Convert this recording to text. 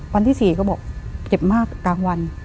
วันที่๔ก็บอกเจ็บมากกลางวัน